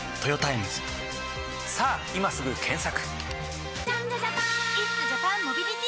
さぁ今すぐ検索！